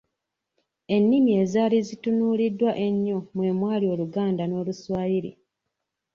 Ennimi ezaali zitunuuliddwa ennyo mwe mwali Oluganga n’Oluswayiri.